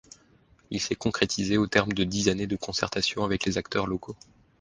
Il s’est concrétisé au terme de dix années de concertation avec les acteurs locaux.